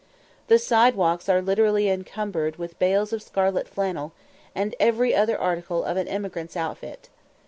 The side walks are literally encumbered with bales of scarlet flannel, and every other article of an emigrant's outfit.